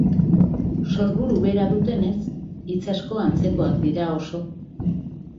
Sorburu bera dutenez, hitz asko antzekoak dira oso.